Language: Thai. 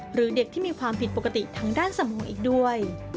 หรือเด็กที่มีความผิดปกติทางด้านสมองอีกด้วย